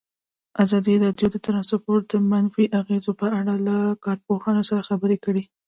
ازادي راډیو د ترانسپورټ د منفي اغېزو په اړه له کارپوهانو سره خبرې کړي.